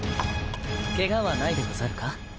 ケガはないでござるか？